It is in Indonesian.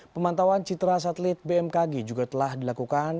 pemantauan citra satelit bmkg juga telah dilakukan